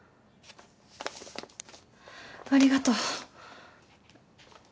ありがとう。